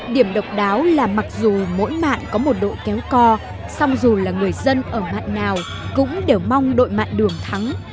điểm độc đáo là mặc dù mỗi mạn có một độ kéo co xong dù là người dân ở mạn nào cũng đều mong đội mạn đường thắng